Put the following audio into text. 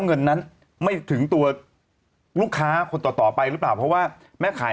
เงินนั้นไม่ถึงตัวลูกค้าคนต่อต่อไปหรือเปล่าเพราะว่าแม่ขาย